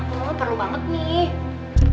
oh perlu banget nih